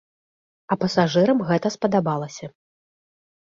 А пасажырам гэта спадабалася.